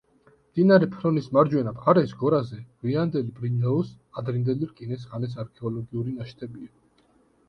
მდინარე ფრონის მარჯვენა მხარეს, გორაზე, გვიანდელი ბრინჯაოს, ადრინდელი რკინის ხანის არქეოლოგიური ნაშთებია.